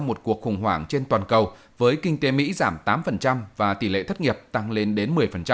một cuộc khủng hoảng trên toàn cầu với kinh tế mỹ giảm tám và tỷ lệ thất nghiệp tăng lên đến một mươi